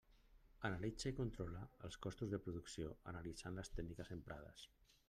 Analitza i controla els costos de producció analitzant les tècniques emprades.